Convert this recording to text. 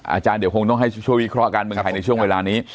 อาจารย์เดี๋ยวคงต้องให้ช่วยวิเคราะห์การเมืองไทยในช่วงเวลานี้